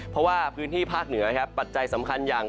เพราะว่าพื้นที่ภาคเหนือครับปัจจัยสำคัญอย่าง